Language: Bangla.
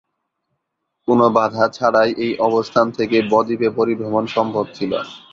কোন বাধা ছাড়াই এই অবস্থান থেকে বদ্বীপে পরিভ্রমণ সম্ভব ছিল।